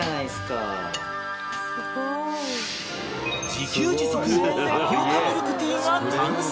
［自給自足タピオカミルクティーが完成］